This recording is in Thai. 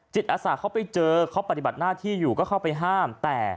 อาสาเขาไปเจอเขาปฏิบัติหน้าที่อยู่ก็เข้าไปห้าม